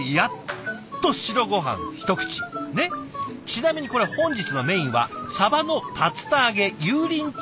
ちなみにこれ本日のメインはサバの竜田揚げユーリンチーソース。